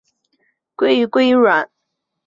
鲑鱼鲑鱼卵